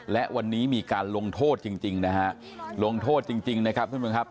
และวันนี้มีการลงโทษจริงนะฮะลงโทษจริงนะครับท่านผู้ชมครับ